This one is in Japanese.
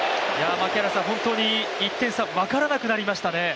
本当に１点差分からなくなりましたね。